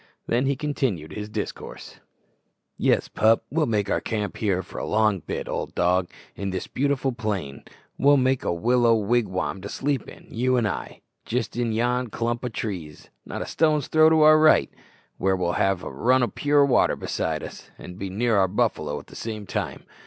Then he continued his discourse: "Yes, pup, we'll make our camp here for a long bit, old dog, in this beautiful plain. We'll make a willow wigwam to sleep in, you and I, jist in yon clump o' trees, not a stone's throw to our right, where we'll have a run o' pure water beside us, and be near our buffalo at the same time.